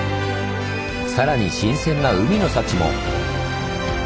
さらに新鮮な海の幸も！